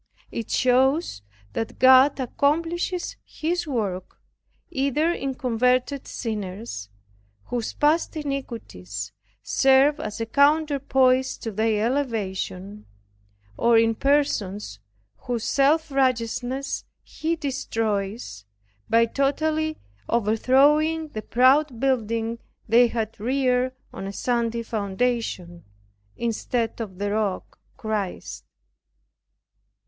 It shows that God accomplishes His work either in converted sinners, whose past iniquities serve as a counterpoise to their elevation, or in persons whose self righteousness He destroys, by totally overthrowing the proud building they had reared on a sandy foundation, instead of the Rock CHRIST.